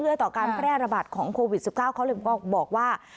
ต่อการแพร่ระบาดของโควิด๑๙เขาเลยก็บอกว่า